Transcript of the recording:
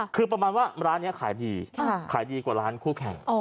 คือประมาณว่าร้านนี้ขายดีขายดีกว่าร้านคู่แข่ง